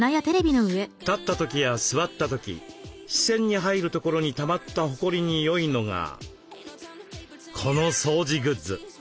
立った時や座った時視線に入るところにたまったほこりに良いのがこの掃除グッズ。